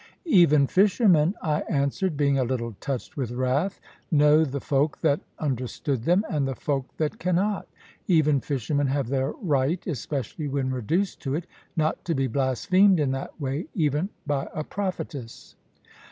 "Even fishermen," I answered (being a little touched with wrath), "know the folk that understood them, and the folk that cannot. Even fishermen have their right, especially when reduced to it, not to be blasphemed in that way, even by a prophetess."